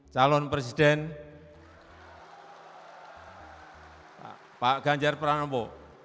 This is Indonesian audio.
calon presiden pak ganjar pranowo